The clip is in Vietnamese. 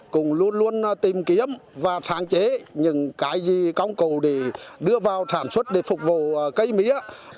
cũng luôn luôn tìm kiếm và sáng chế những cái gì công cụ để đưa vào sản xuất để phục vụ cây mía